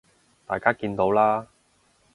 大家見到啦